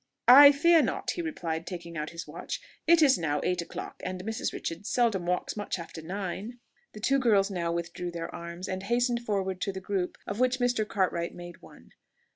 "I fear not," he replied, taking out his watch; "it is now eight o'clock, and Mrs. Richards seldom walks much after nine." The two girls now withdrew their arms, and hastened forward to the group of which Mr. Cartwright made one.